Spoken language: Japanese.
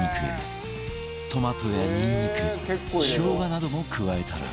トマトやにんにくしょうがなども加えたら